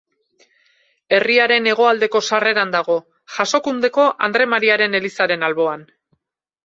Herriaren hegoaldeko sarreran dago, Jasokundeko Andre Mariaren elizaren alboan.